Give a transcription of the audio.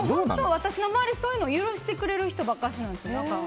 私の周り、そういうの許してくれる人ばかりなんですよ。